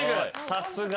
さすが。